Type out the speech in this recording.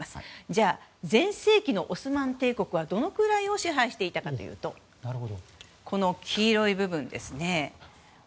じゃあ、全盛期のオスマン帝国はどのくらいを支配していたかというと黄色い部分ですね。